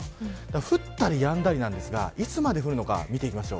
降ったりやんだりなんですがいつまで降るのか見ていきましょう。